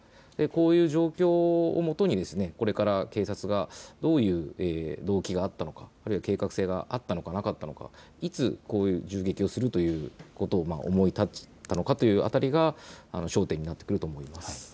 こういう状況をもとにこれから警察がどういう動機があったのか、計画性があったのか、なかったのか、いつこういう銃撃をするということを思い立ったのかという辺りが焦点になってくると思います。